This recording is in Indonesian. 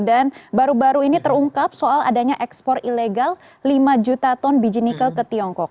dan baru baru ini terungkap soal adanya ekspor ilegal lima juta ton biji nikel ke tiongkok